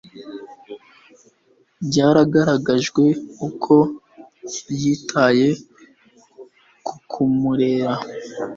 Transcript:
byaragaragajwe uko yitaye ku kumurera